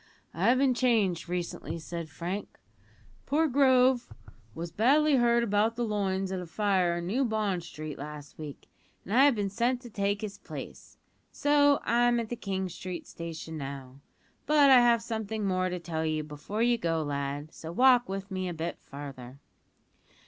"I've been changed recently," said Frank; "poor Grove was badly hurt about the loins at a fire in New Bond Street last week, and I have been sent to take his place, so I'm at the King Street station now. But I have something more to tell you before you go, lad, so walk with me a bit farther."